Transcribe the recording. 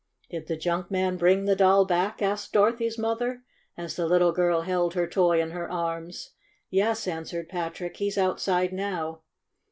"Did the junk man bring the Doll back?" asked Dorothy's mother, as the little girl held her toy in her arms. "Yes," answered Patrick. "He's out side now."